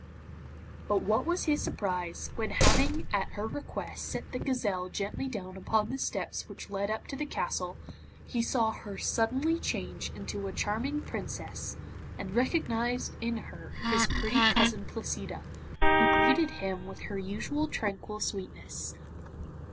But what was his surprise, when having at her request set the gazelle gently down upon the steps which led up to the castle, he saw her suddenly change into a charming Princess, and recognized in her his pretty cousin Placida, who greeted him with her usual tranquil sweetness.